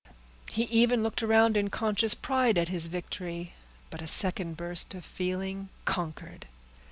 He even looked around in conscious pride at his victory; but a second burst of feeling conquered.